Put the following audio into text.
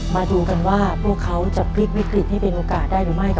มาดูกันว่าพวกเขาจะพลิกวิกฤตให้เป็นโอกาสได้หรือไม่